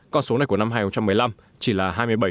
con số này của năm hai nghìn một mươi năm chỉ là hai mươi bảy